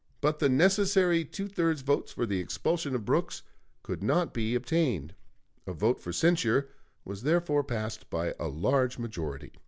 But the necessary two thirds vote for the expulsion of Brooks could not be obtained; a vote of censure was therefore passed by a large majority.